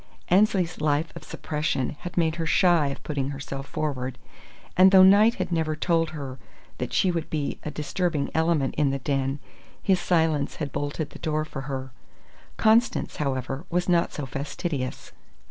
Annesley's life of suppression had made her shy of putting herself forward; and though Knight had never told her that she would be a disturbing element in the den, his silence had bolted the door for her. Constance, however, was not so fastidious.